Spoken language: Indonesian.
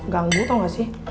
ganggu tau gak sih